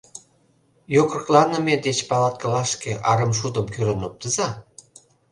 — Йокрокланыме деч палаткылашке арымшудым кӱрын оптыза.